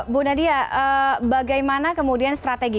bu nadia bagaimana kemudian strategi